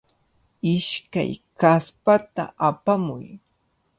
Ishkay kaspata apamuy.